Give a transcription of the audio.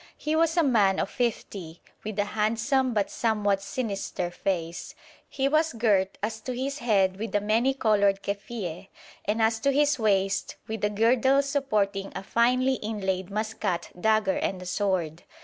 He was a man of fifty, with a handsome but somewhat sinister face; he was girt as to his head with a many coloured kefieh, and as to his waist with a girdle supporting a finely inlaid Maskat dagger and a sword.